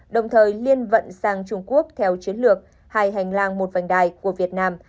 đồng thời liên vận sang trung quốc theo chiến lược hai hành lang một vành đai của việt nam